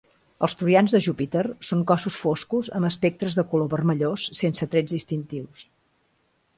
Els troians de Júpiter són cossos foscos amb espectres de color vermellós, sense trets distintius.